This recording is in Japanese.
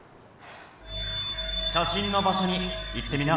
写真の場所に行ってみな。